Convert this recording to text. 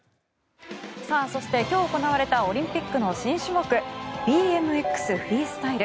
そして、今日行われたオリンピックの新種目ＢＭＸフリースタイル。